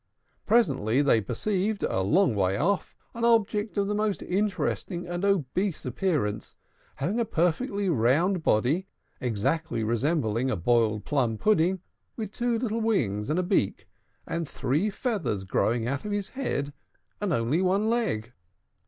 Presently they perceived, a long way off, an object of the most interesting and obese appearance, having a perfectly round body exactly resembling a boiled plum pudding, with two little wings, and a beak, and three feathers growing out of his head, and only one leg.